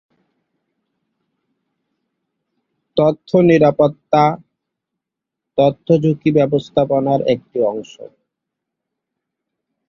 তথ্য নিরাপত্তা তথ্য ঝুঁকি ব্যবস্থাপনার একটি অংশ।